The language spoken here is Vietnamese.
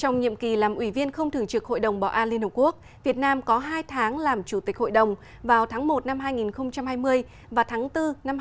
trong nhiệm kỳ làm ủy viên không thường trực hội đồng bảo an liên hợp quốc việt nam có hai tháng làm chủ tịch hội đồng vào tháng một năm hai nghìn hai mươi và tháng bốn năm hai nghìn hai mươi một